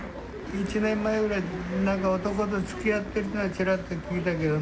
１年前ぐらいに、なんか男とつきあっているというのはちらっと聞いたけどね。